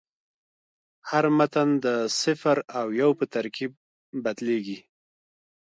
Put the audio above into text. هر متن د صفر او یو په ترکیب بدلېږي.